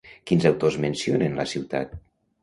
Quins autors mencionen la ciutat?